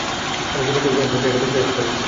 আমি কী মাঝে মাঝে এটা দেখতে আসতে পারি?